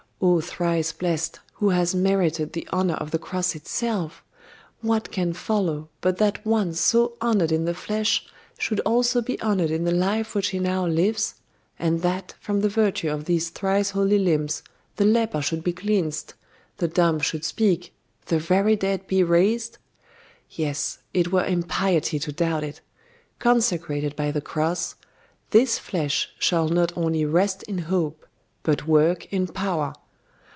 Oh thrice blessed, who has merited the honour of the cross itself! What can follow, but that one so honoured in the flesh should also be honoured in the life which he now lives, and that from the virtue of these thrice holy limbs the leper should be cleansed, the dumb should speak, the very dead be raised? Yes; it were impiety to doubt it. Consecrated by the cross, this flesh shall not only rest in hope but work in power.